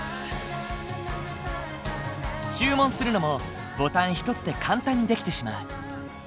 注文するのもボタン一つで簡単にできてしまう。